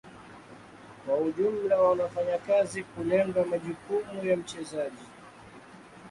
Kwa ujumla wanafanya kazi kulenga majukumu ya mchezaji.